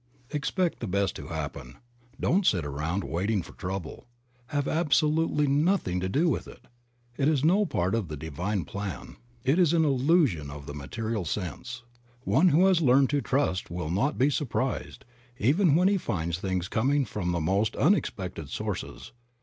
T7XPECT the best to happen. Don't sit around waiting for trouble; have absolutely nothing to do with it. It is no part of the divine plan. It is an illusion of the material sense. One who has learned to trust will not be surprised even when he finds things coming from the most unexpected sources.